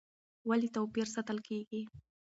ولې توپیر ساتل کېږي؟